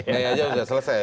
mei aja udah selesai